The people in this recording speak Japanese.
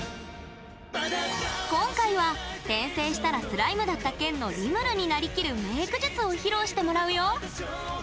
今回は「転生したらスライムだった件」のリムルになりきるメイク術を披露してもらうよ。